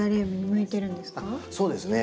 そうですね。